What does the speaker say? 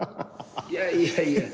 いやいやいや。